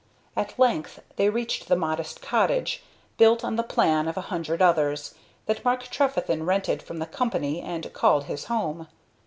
At length they reached the modest cottage, built on the plan of a hundred others, that Mark Trefethen rented from the company and called his home.